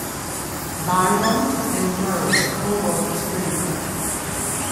Byrum and Murray co-wrote the screenplay.